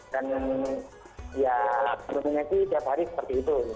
dan ya menurutnya sih tiap hari seperti itu